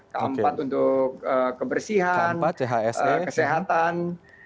k empat untuk kebersihan kesehatan